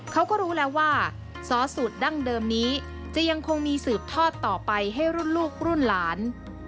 เขาก็รู้แล้วว่าซอสสูตรดั้งเดิมนี้จะยังคงมีสืบทอดต่อไปให้รุ่นลูกรุ่นหลาน